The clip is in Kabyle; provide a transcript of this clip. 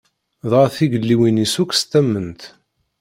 Dɣa tigelliwin-is akk s tamment.